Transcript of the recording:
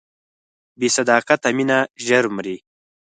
بې صداقته مینه ژر مري.